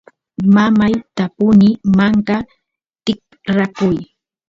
mamayta tapuni manka tikrakuy